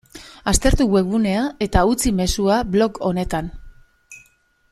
Aztertu webgunea eta utzi mezua blog honetan.